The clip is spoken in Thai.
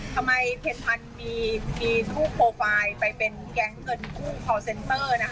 ทำไมเผ็ดพันธุ์มีลูกโครไฟล์